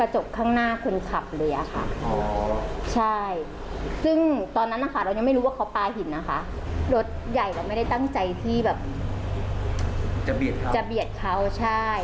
ใช่ซึ่งตอนนั้นเรายังไม่รู้ว่าเขาปลาหินนะคะรถใหญ่เราไม่ได้ตั้งใจที่แบบจะเบียดเขาใช่